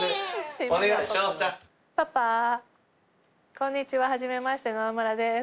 こんにちは初めまして野々村です。